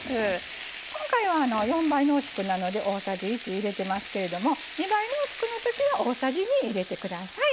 今回は４倍濃縮なので大さじ１入れてますけれども２倍濃縮のときは大さじ２入れて下さい。